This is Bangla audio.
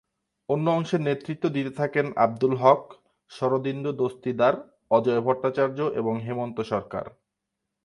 অন্য অংশের নেতৃত্ব দিতে থাকেন আবদুল হক, শরদিন্দু দস্তিদার, অজয় ভট্টাচার্য এবং হেমন্ত সরকার।